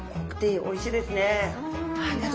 おいしいですね。